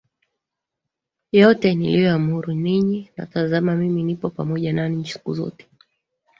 yote niliyoamuru ninyi na tazama mimi nipo pamoja nanyi siku zote